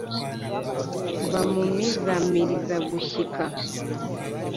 Mba mu z'Impamirizagushyika